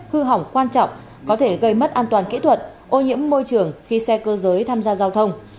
hư hỏng quan trọng có thể gây mất an toàn kỹ thuật ô nhiễm môi trường khi xe cơ giới tham gia giao thông